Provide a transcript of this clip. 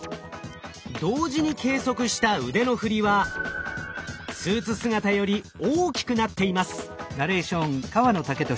同時に計測した腕の振りはスーツ姿より大きくなっています。